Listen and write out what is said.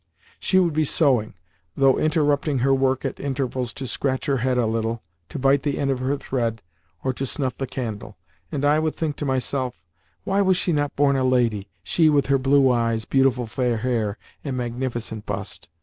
She would be sewing though interrupting her work at intervals to scratch her head a little, to bite the end of her thread, or to snuff the candle—and I would think to myself: "Why was she not born a lady—she with her blue eyes, beautiful fair hair, and magnificent bust?